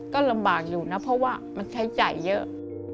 ก็ลำบากอยู่นะเพราะว่ามันใช้จ่ายเยอะ